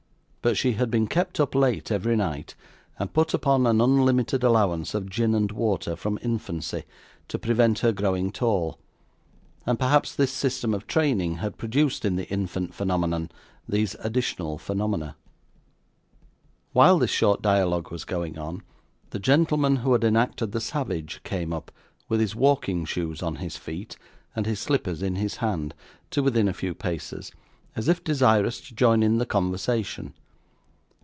But she had been kept up late every night, and put upon an unlimited allowance of gin and water from infancy, to prevent her growing tall, and perhaps this system of training had produced in the infant phenomenon these additional phenomena. While this short dialogue was going on, the gentleman who had enacted the savage, came up, with his walking shoes on his feet, and his slippers in his hand, to within a few paces, as if desirous to join in the conversation.